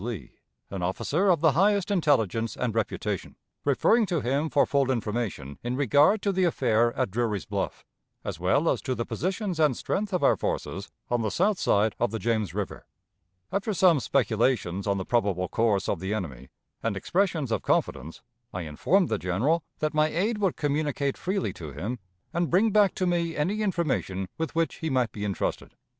Lee, an officer of the highest intelligence and reputation referring to him for full information in regard to the affair at Drury's Bluff, as well as to the positions and strength of our forces on the south side of the James River. After some speculations on the probable course of the enemy, and expressions of confidence, I informed the General that my aide would communicate freely to him and bring back to me any information with which he might be intrusted.